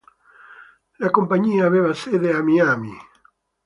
La compagnia aveva sede a Miami.